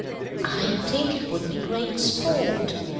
"I think it would be great sport.